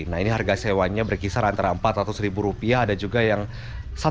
nah ini harga sewanya berkisar antara empat ratus ribu rupiah ada juga yang satu